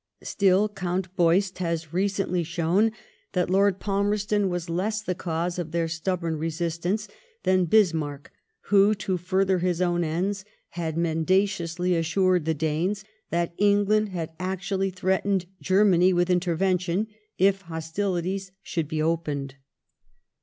Still Count Beust has recently shown that Lord Palmerston was less the cause of their stubborn resistance than Bis marck, who, to further his own ends, had mendaciously assured the Danes that England had actually threatened Germany with intervention, if hostilities should be opened.